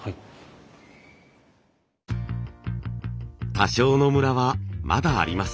多少のムラはまだあります。